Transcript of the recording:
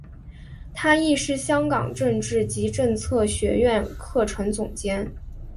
他亦是香港政治及政策学苑课程总监。